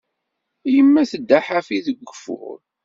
Yemma tedda ḥafi deg ugeffur.